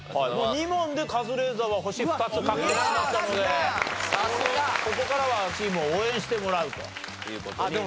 ２問でカズレーザーは星２つ獲得しましたのでここからはチームを応援してもらうという事になりました。